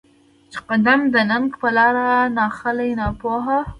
چې قـــــدم د ننــــــــګ په لار ناخلې ناپوهه